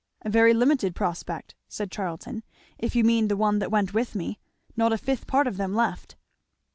"A very limited prospect!" said Charlton, "if you mean the one that went with me. Not a fifth part of them left."